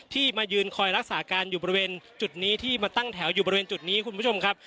มายืนคอยรักษาการอยู่บริเวณจุดนี้ที่มาตั้งแถวอยู่บริเวณจุดนี้คุณผู้ชมครับ